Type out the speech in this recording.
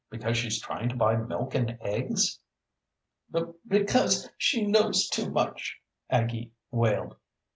"Because she's trying to buy milk and eggs?" "B because she knows too much," Aggie wailed.